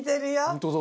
本当だ！